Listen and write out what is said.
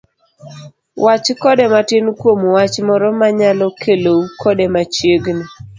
wach kode matin kuom wach moro mayalo kelou kode machiegni.